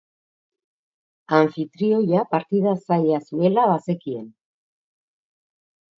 Anfitrioia partida zaila zuela bazekien.